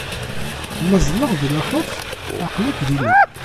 Ma ẓẓleɣ di laxert, aql-ak dinna.